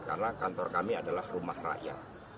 karena kantor kami adalah rumah rakyat